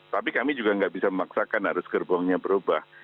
tapi kami juga nggak bisa memaksakan harus gerbongnya berubah